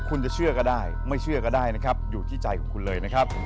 คุณจะเชื่อก็ได้ไม่เชื่อก็ได้นะครับอยู่ที่ใจของคุณเลยนะครับ